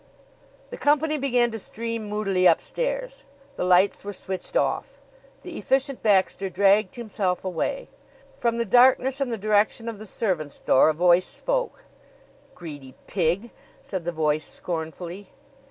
The company began to stream moodily upstairs. The lights were switched off. The Efficient Baxter dragged himself away. From the darkness in the direction of the servants' door a voice spoke. "Greedy pig!" said the voice scornfully.